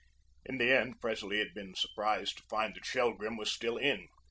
In the end, Presley had been surprised to find that Shelgrim was still in.